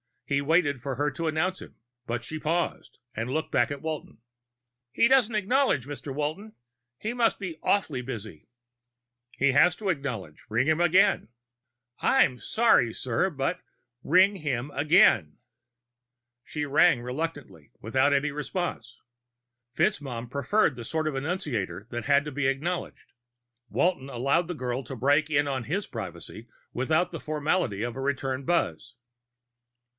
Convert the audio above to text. He waited for her to announce him, but she paused and looked back at Walton. "He doesn't acknowledge, Mr. Walton. He must be awfully busy." "He has to acknowledge. Ring him again." "I'm sorry, sir, but " "Ring him again." She rang, reluctantly, without any response. FitzMaugham preferred the sort of annunciator that had to be acknowledged; Walton allowed the girl to break in on his privacy without the formality of a return buzz.